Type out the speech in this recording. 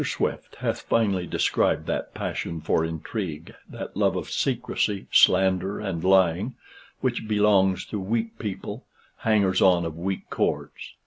Swift hath finely described that passion for intrigue, that love of secrecy, slander, and lying, which belongs to weak people, hangers on of weak courts.